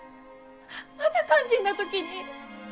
また肝心な時に。